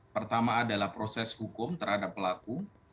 pertama adalah proses hukum terhadap pelaku